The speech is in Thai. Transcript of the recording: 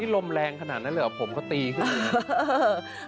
นี่ลมแรงขนาดนั้นเหรอผมก็ตีขึ้น